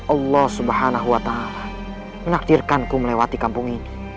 allah swt menakdirkanku melewati kampung ini